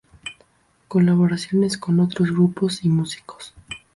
Colaboraciones con otros grupos y músicos